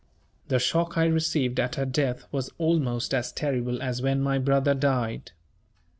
The shock I received at her death was almost as terrible as when my brother died.